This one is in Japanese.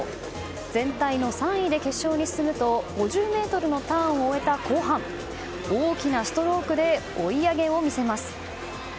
全体の３位で決勝に進むと５０ｍのターンを終えた後半大きなストロークで追い上げを見せます。